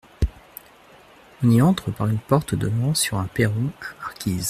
On y entre par une porte donnant sur un perron à marquise.